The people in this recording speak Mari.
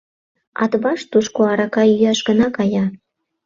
Атбаш тушко арака йӱаш гына кая.